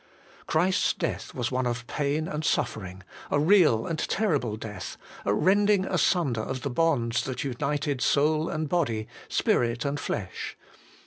Christ's death was one of pain and suffer ing, a real and terrible death, a rending asunder of the bonds that united soul and body, spirit and flesh.